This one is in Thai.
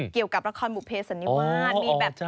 เกี่ยวกับละครบุเภสันนิวาส